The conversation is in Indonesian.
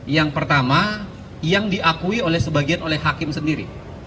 yang pertama yang diakui oleh sebagian oleh hakim sendiri